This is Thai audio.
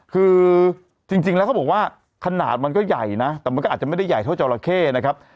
คือจริงแล้วเขาบอกว่าขนาดมันก็ใหญ่นะแต่มันก็อาจจะไม่ได้ใหญ่เท่าจราเข้นะครับ